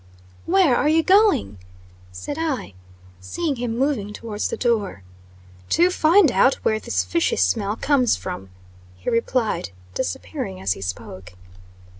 "Where are you going?" said I, seeing him moving towards the door. "To find out where this fishy smell comes from," he replied, disappearing as he spoke.